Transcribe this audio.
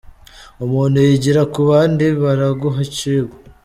"Umuntu yigira ku bandi; baraguha icigwa.